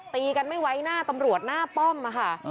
ตีกันไม่ไว้หน้าตำรวจหน้าป้อมค่ะ